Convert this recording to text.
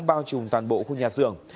bao trùm toàn bộ khu nhà sưởng